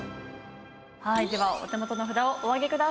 ではお手元の札をお上げください。